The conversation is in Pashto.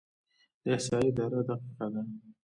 د احصایې اداره دقیقه ده؟